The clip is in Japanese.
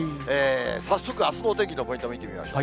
早速あすのお天気のポイント、見てみましょう。